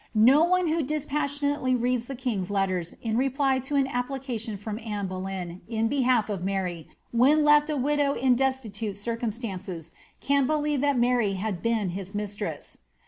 No one who dispassionately reads the king's letter in reply to an application from Anne Bolejm in behalf of Mary, when left a widow in destitute circumstances, can believe that Mary had been his mistress.